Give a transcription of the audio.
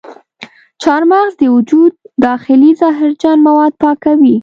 چارمغز د وجود داخلي زهرجن مواد پاکوي.